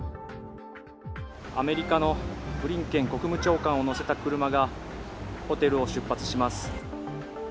アメリカのブリンケン国務長官を乗せた車がホテルを出発します。